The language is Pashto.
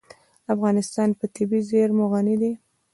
افغانستان په طبیعي زیرمې غني دی.